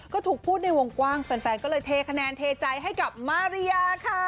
ก็ถูกพูดในวงกว้างแฟนก็เลยเทคะแนนเทใจให้กับมาริยาค่ะ